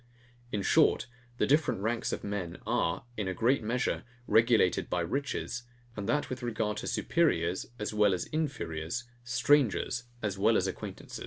In short, the different ranks of men are, in a great measure, regulated by riches; and that with regard to superiors as well as inferiors, strangers as well as acquaintance.